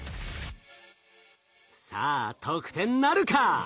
さあ得点なるか？